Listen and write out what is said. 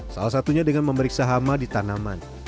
salah satunya dengan memeriksa hama di tanaman